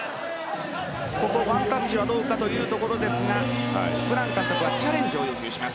ワンタッチはどうかというところですがブラン監督はチャレンジを要求します。